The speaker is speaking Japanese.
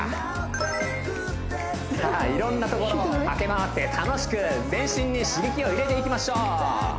いろんなところ駆け回って楽しく全身に刺激を入れていきましょう